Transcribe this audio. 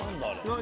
何？